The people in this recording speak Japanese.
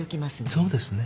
そうですね。